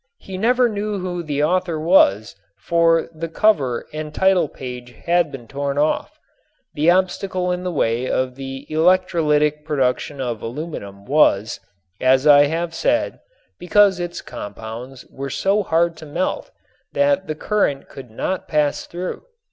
He never knew who the author was, for the cover and title page had been torn off. The obstacle in the way of the electrolytic production of aluminum was, as I have said, because its compounds were so hard to melt that the current could not pass through.